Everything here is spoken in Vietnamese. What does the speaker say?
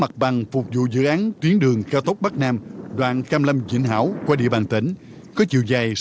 theo quy định